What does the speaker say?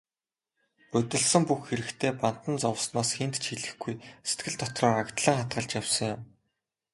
Будилсан бүх хэрэгтээ бантан зовсноос хэнд ч хэлэхгүй, сэтгэл дотроо агдлан хадгалж явсан юм.